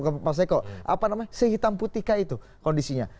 apa namanya sehitam putih itu kondisinya